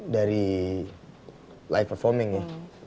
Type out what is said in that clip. dari live performing ya